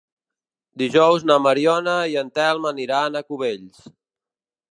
Dijous na Mariona i en Telm aniran a Cubells.